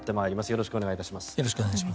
よろしくお願いします。